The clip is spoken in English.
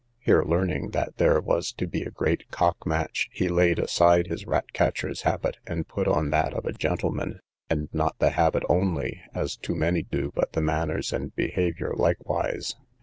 Here, learning that there was to be a great cock match, he laid aside his rat catcher's habit, and put on that of a gentleman, and not the habit only, as too many do, but the manners and behaviour likewise.